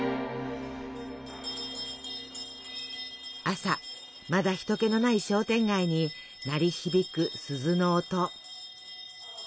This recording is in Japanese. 朝まだ人けのない商店街に鳴り響く鈴の音。